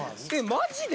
マジで！？